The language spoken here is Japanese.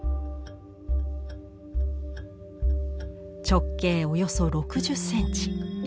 直径およそ６０センチ。